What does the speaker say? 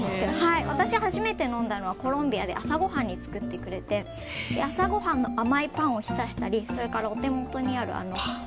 私は初めて飲んだのはコロンビアで朝ごはんに作ってくれて朝ごはんの甘いパンを浸したりお手元にある。